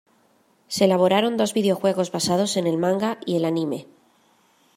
Se elaboraron dos videojuegos basados en el manga y el anime.